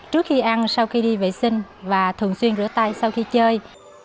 trước khi ăn sau khi đi vệ sinh và thường xuyên rửa tay sau khi chơi